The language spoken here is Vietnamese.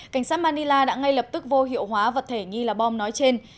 cảnh sát manila đã ngay lập tức vô hiệu hóa vật thể nghi là bom nói trên